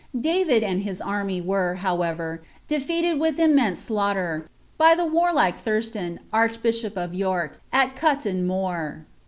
David, ud his army, were, hovrever, defeated wiih immense slaughter, by the war hke ThursUn, archbishop of York, at Cuton Moor.